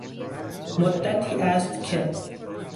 مدتی است که...